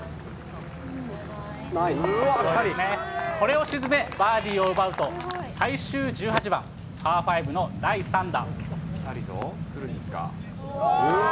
これを沈め、バーディーを奪うと最終１８番、パー５の第３打。